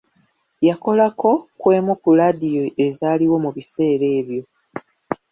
Yakolako ku emu ku laadiyo ezaaliwo mu biseera ebyo.